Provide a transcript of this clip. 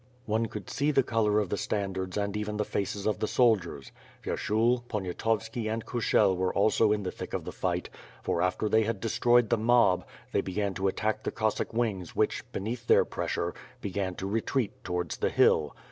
One could see the color of the standards and even the faces of the soldiers. Vyershul, Poniatovski and Kushel were also in the thick of the fight; for after they had destroyed the mob, they began to attack the Cossack wings which, beneath their pres sure, began to retreat towards the hill.